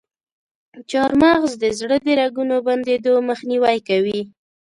چارمغز د زړه د رګونو بندیدو مخنیوی کوي.